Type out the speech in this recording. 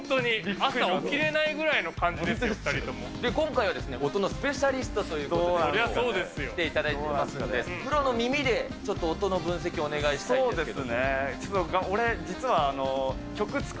朝起きれないぐらい今回はですね、音のスペシャリストということで来ていただいておりますので、プロの耳でちょっと音の分析をお願いしたいんですけど。